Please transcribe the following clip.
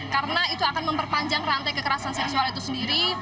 karena itu akan memperpanjang rantai kekerasan seksual itu sendiri